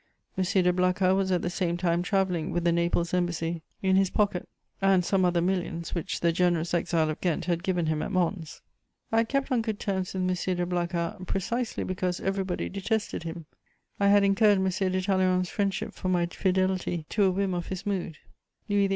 M. de Blacas was at the same time travelling with the Naples Embassy in his pocket, and some other millions which the generous exile of Ghent had given him at Mons. I had kept on good terms with M. de Blacas, precisely because everybody detested him; I had incurred M. de Talleyrand's friendship for my fidelity to a whim of his mood; Louis XVIII.